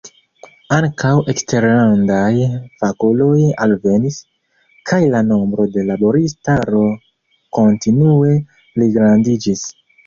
Ankaŭ eksterlandaj fakuloj alvenis, kaj la nombro de laboristaro kontinue pligrandiĝis.